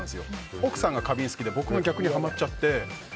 奥さんが花瓶が好きで僕が逆にハマっちゃって。